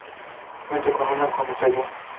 Cuenta con una comisaría.